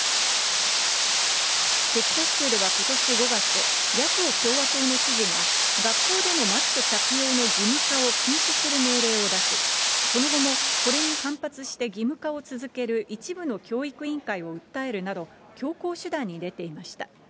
テキサス州ではことし５月、野党・共和党の知事が、学校でのマスク着用の義務化を禁止する命令を出し、その後もこれに反発して義務化を続ける一部の教育委員会を訴えるなど、強硬手段に出ていました。